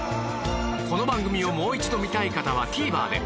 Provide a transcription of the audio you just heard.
この番組をもう一度見たい方は ＴＶｅｒ で